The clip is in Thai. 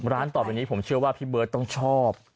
ต่อไปนี้ผมเชื่อว่าพี่เบิร์ตต้องชอบ